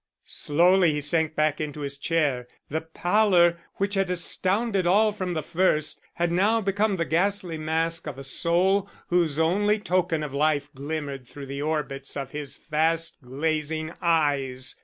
Slowly he sank back into his chair. The pallor which had astounded all from the first had now become the ghastly mask of a soul whose only token of life glimmered through the orbits of his fast glazing eyes.